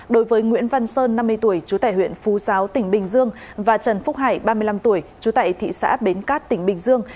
đối với nguyễn văn sơn năm mươi tuổi chú tải huyện phú giáo tỉnh bình dương và trần phúc hải ba mươi năm tuổi chú tại thị xã bến cát tỉnh bình dương